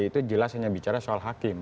itu jelas hanya bicara soal hakim